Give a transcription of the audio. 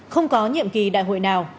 không có nhiệm kỳ đại hội nào